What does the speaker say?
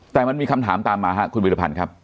แต่มันมีคำถามตามมาครับคุณวิรพันธ์ครับ